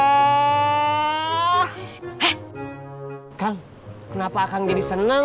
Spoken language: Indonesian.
hah kang kenapa kang jadi seneng